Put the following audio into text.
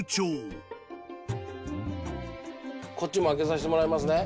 こっちも開けさしてもらいますね。